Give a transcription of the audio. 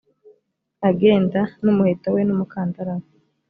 agenda n’umuheto we n’umukandara we